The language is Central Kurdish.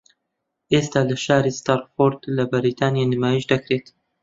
ئێستا لە شاری ستراتفۆرد لە بەریتانیا نمایشدەکرێت